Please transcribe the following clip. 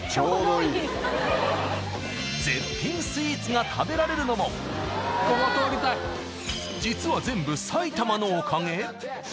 絶品スイーツが食べられるのも実は全部、埼玉のおかげ？